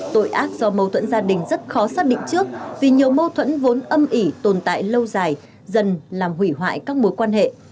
tội ác do mâu thuẫn gia đình rất khó xác định trước vì nhiều mâu thuẫn vốn âm ỉ tồn tại lâu dài dần làm hủy hoại các mối quan hệ